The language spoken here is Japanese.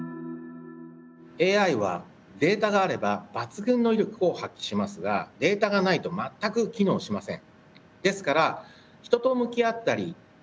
ＡＩはデータがあれば抜群の威力を発揮しますがデータがないと全く機能しません。